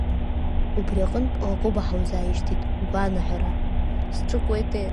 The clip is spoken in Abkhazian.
Убри аҟынтә Лакоба ҳаузааишьҭит угәаанагара ҳауҳәарц азыҳәан.